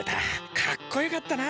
かっこよかったな？